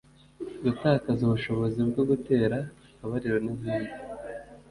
gutakaza ubushobozi bwo gutera akabariro n’izindi